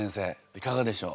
いかがでしょう？